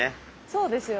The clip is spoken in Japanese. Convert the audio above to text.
そうですよ。